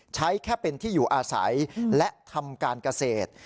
ใช้แค่เป็นที่อยู่อาศัยและทำการเกษตร